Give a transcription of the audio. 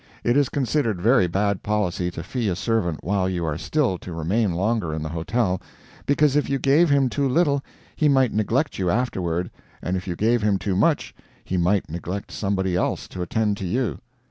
It is considered very bad policy to fee a servant while you are still to remain longer in the hotel, because if you gave him too little he might neglect you afterward, and if you gave him too much he might neglect somebody else to attend to you.